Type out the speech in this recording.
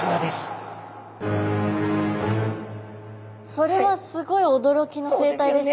それはすごい驚きの生態ですね。